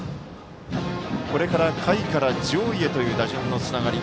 これから下位から上位へという打線のつながり。